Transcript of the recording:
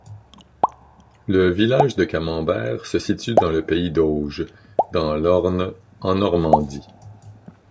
Le village de Camembert se situe dans le pays d'Auge, dans l’Orne en Normandie.